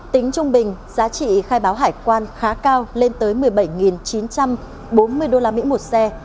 tính trung bình giá trị khai báo hải quan khá cao lên tới một mươi bảy chín trăm bốn mươi usd một xe